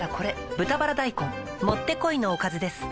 「豚バラ大根」もってこいのおかずです